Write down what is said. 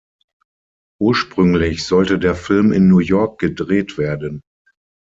Ursprünglich sollte der Film in New York gedreht werden.